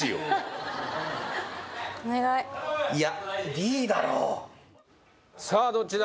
これいやさあどっちだ？